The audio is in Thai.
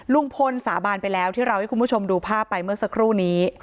ลุงพลสาบานไปแล้วที่เราให้คุณผู้ชมดูภาพไปเมื่อสักครู่นี้